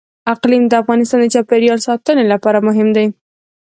اقلیم د افغانستان د چاپیریال ساتنې لپاره مهم دي.